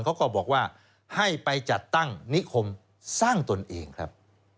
เขาก็บอกว่าให้ไปจัดตั้งนิคมสร้างตนเองครับ